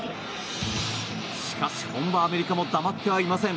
しかし、本場アメリカも黙ってはいません。